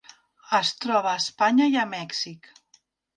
Es troba a Espanya i a Mèxic.